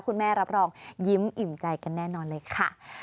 รับรองยิ้มอิ่มใจกันแน่นอนเลยค่ะ